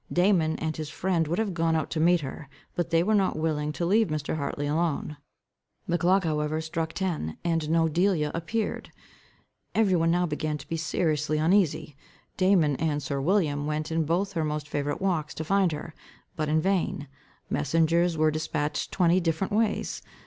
Damon and his friend would have gone out to meet her, but they were not willing to leave Mr. Hartley alone. The clock however struck ten, and no Delia appeared. Every one now began to be seriously uneasy. Damon and sir William went in both her most favourite walks to find her, but in vain. Messengers were dispatched twenty different ways.